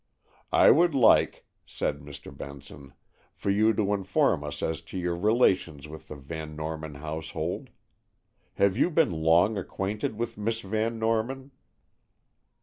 "I would like," said Mr. Benson, "for you to inform us as to your relations with the Van Norman household. Have you been long acquainted with Miss Van Norman?"